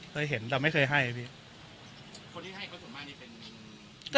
เคยเห็นแต่ไม่เคยให้พี่คนที่ให้ก็ส่วนมากนี่เป็น